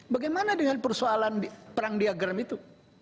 bagaimana dengan persoalan perang diagram itu